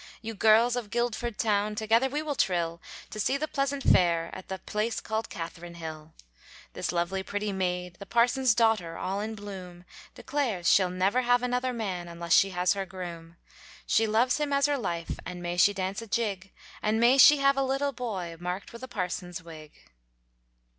You girls of Guildford town, Together we will trill, To see the pleasant fair, At the place called Catharine Hill. This lovely pretty maid, The parson's daughter all in bloom, Declares she'll never have another man, Unless she has her groom. She loves him as her life, And may she dance a jig, And may she have a little boy, Marked with a parson's wig.